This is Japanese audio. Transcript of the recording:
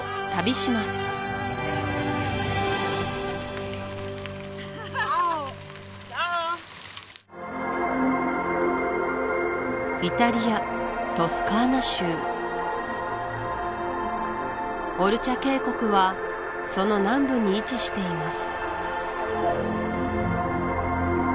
チャオイタリアトスカーナ州オルチャ渓谷はその南部に位置しています